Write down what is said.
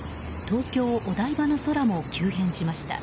東京・お台場の空も急変しました。